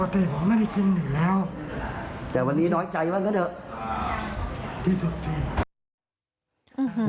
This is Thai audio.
แต่เขาเลิกกันแล้ว